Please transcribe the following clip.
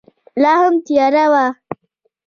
لا هم تیاره وه.